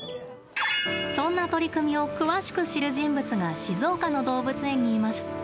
そんな取り組みを詳しく知る人物が静岡の動物園にいます。